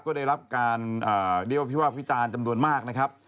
ก็ได้รับการเรียกว่าพี่ว่าพี่จานจำนวนมากนะครับ